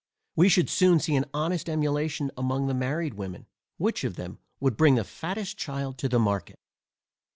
We should soon see an honest emulation among the married women, which of them could bring the fattest child to the market.